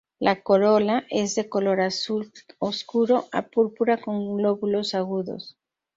La corola es de color azul oscuro a púrpura con lóbulos agudos.